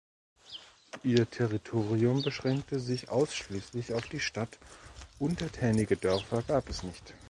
Ihr Territorium beschränkte sich ausschließlich auf die Stadt, untertänige Dörfer gab es nicht.